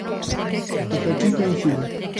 Ata aquí coincido.